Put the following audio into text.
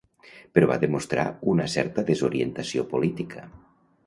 Però va demostrar una certa desorientació política.